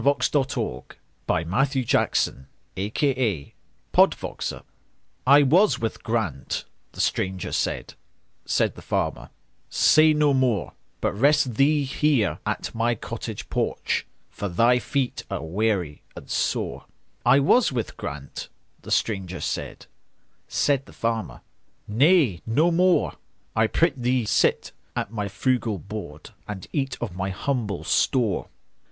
By Francis BretHarte 748 The Aged Stranger "I WAS with Grant"—the stranger said; Said the farmer, "Say no more, But rest thee here at my cottage porch, For thy feet are weary and sore.""I was with Grant"—the stranger said; Said the farmer, "Nay, no more,—I prithee sit at my frugal board, And eat of my humble store.